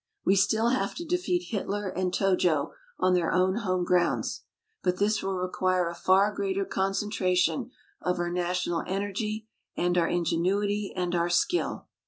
We still have to defeat Hitler and Tojo on their own home grounds. But this will require a far greater concentration of our national energy and our ingenuity and our skill.